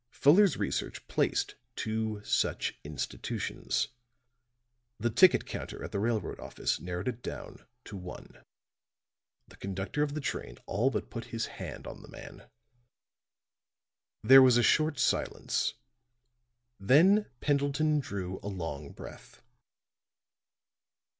Fuller's research placed two such institutions. The ticket counter at the railroad office narrowed it down to one. The conductor of the train all but put his hand on the man." There was a short silence. Then Pendleton drew a long breath.